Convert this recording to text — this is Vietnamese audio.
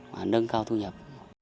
và nâng cao thu nhập